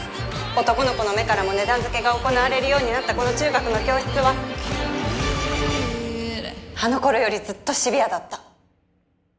男の子の目からも値段付けが行われるようになったこの中学の教室はあの頃よりずっとシビアだった。